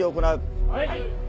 はい。